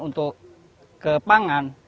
untuk ke pangan